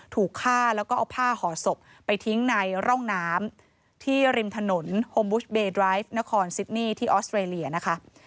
ถูกฆ่าแล้วก็เอาผ้าห่อศพไปทิ้งในร่องน้ำที่ริมถนนโฮมบุชเบดรายฟนครซิดนี่ที่ออสเตรเลียนะคะ